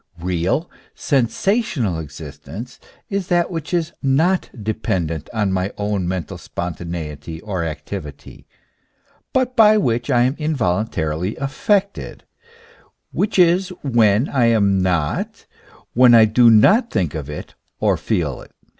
Real, sensational existence is that which is not dependent on my own mental spontaneity or activity, but by which I am involuntarily affected, which is when I am not, when I do not think of it or feel it.